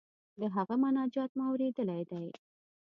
د هغه مناجات مو اوریدلی دی.